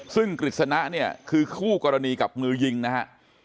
ซึ่งกฤษณะเนี่ยคือคู่กรณีกับมือยิงนะฮะ